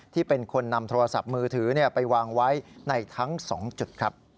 ที่เป็นคนนำโทรศัพท์มือถือไปวางไว้ในทั้ง๒จุดครับ